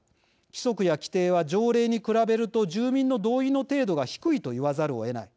規則や規程は条例に比べると住民の同意の程度が低いと言わざるをえない。